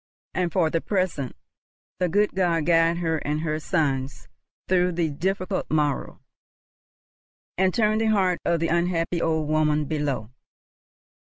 And for the present!—the good God guide her and her sons through the difficult morrow, and turn the heart of the unhappy old woman below!